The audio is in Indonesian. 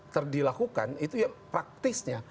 terdilakukan itu ya praktisnya